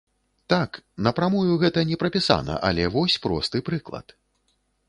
Так, на прамую гэта не прапісана, але вось просты прыклад.